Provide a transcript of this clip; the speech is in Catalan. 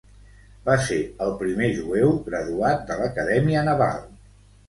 Va ser el primer jueu graduat de l'Acadèmia Naval.